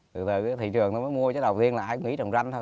từ từ thì thị trường nó mới mua chứ đầu tiên là ai cũng nghĩ trồng ranh thôi